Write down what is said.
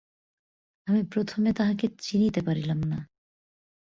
আমি প্রথমে তাহাকে চিনিতে পারিলাম না।